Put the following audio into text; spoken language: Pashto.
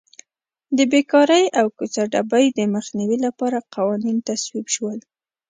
د بېکارۍ او کوڅه ډبۍ د مخنیوي لپاره قوانین تصویب شول.